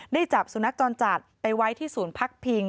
ได้จับสุนัขจรจัดไปไว้ที่สูญพักพิง